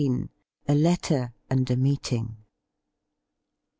A LETTER AND A MEETING.